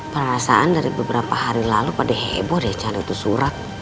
perasaan dari beberapa hari lalu pada heboh ya cari itu surat